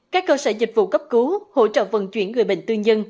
các cơ sở dịch vụ cấp cứu hỗ trợ vận chuyển người bệnh tư nhân